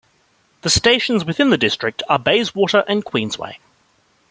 The stations within the district are Bayswater and Queensway.